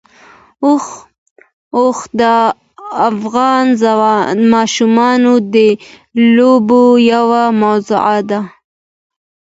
اوښ د افغان ماشومانو د لوبو یوه موضوع ده.